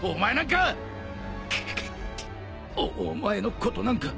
くっお前のことなんか。